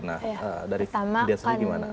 nah dari dia sendiri gimana